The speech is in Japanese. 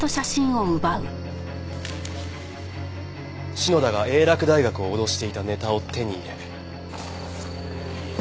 篠田が英洛大学を脅していたネタを手に入れ。